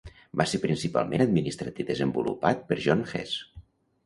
Va ser principalment administrat i desenvolupat per Jon Hess.